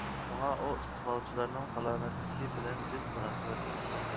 شۇڭا، ئۇ ئىستېمالچىلارنىڭ سالامەتلىكى بىلەن زىچ مۇناسىۋەتلىك.